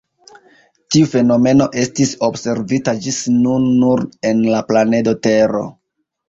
Tiu fenomeno estis observita ĝis nun nur en la planedo Tero.